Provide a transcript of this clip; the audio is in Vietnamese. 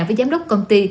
với giám đốc công ty